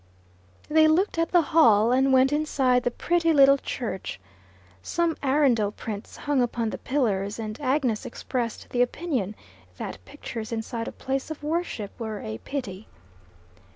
They looked at the Hall, and went inside the pretty little church. Some Arundel prints hung upon the pillars, and Agnes expressed the opinion that pictures inside a place of worship were a pity.